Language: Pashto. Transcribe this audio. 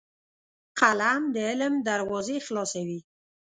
قلم د علم دروازې خلاصوي